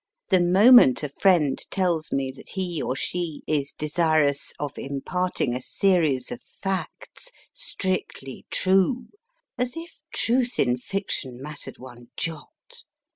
The moment a friend tells me that he or she is desirous of imparting a series of facts strictly true as if truth in fiction mattered one jot